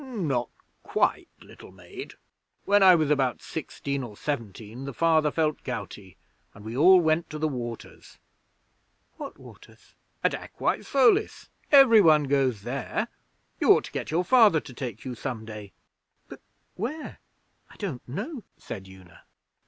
'Not quite, little maid. When I was about sixteen or seventeen, the Father felt gouty, and we all went to the Waters.' 'What waters?' 'At Aquae Solis. Every one goes there. You ought to get your Father to take you some day.' 'But where? I don't know,' said Una.